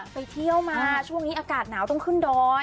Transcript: ไปเที่ยวมาช่วงนี้อากาศหนาวต้องขึ้นดอย